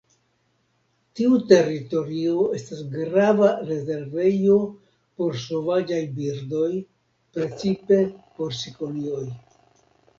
Tiu teritorio estas grava rezervejo por sovaĝaj birdoj, precipe por cikonioj.